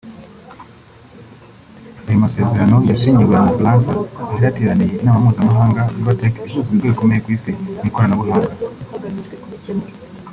Ayo masezerano yasinyiwe mu Bufaransa ahari hateraniye inama mpuzamahanga ya VivaTech ihuza ibigo bikomeye ku isi mu ikoranabuhanga